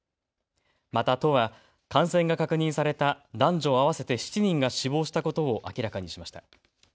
また都は感染が確認された男女合わせて７人が死亡したことを明らかにしました。